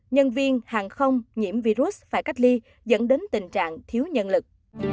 nhân viên hàng không nhiễm virus phải cách ly dẫn đến tình trạng thiếu nhân lực